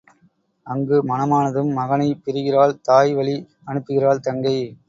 அங்கு மணமானதும் மகனைப் பிரிகிறாள் தாய் வழி அனுப்புகிறாள் தங்கை.